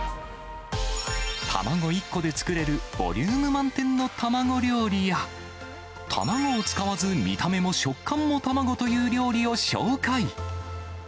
卵１個で作れるボリューム満点の卵料理や、卵を使わず、見た目も食感も卵という料理を紹介。